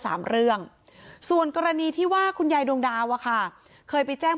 สามเรื่องส่วนกรณีที่ว่าคุณยายดวงดาวอะค่ะเคยไปแจ้ง